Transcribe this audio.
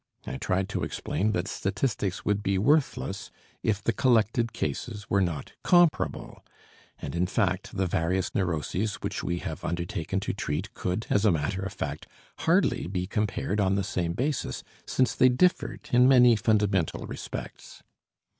I tried to explain that statistics would be worthless if the collected cases were not comparable, and in fact, the various neuroses which we have undertaken to treat could, as a matter of fact, hardly be compared on the same basis, since they differed in many fundamental respects.